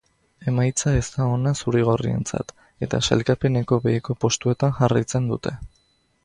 Emaitza ez da ona zurigorrientzat, eta sailkapeneko beheko postuetan jarraitzen dute.